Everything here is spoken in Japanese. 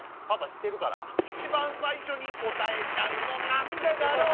「一番最初に答えちゃうのなんでだろう」